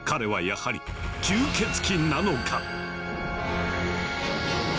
やはり吸血鬼なのか⁉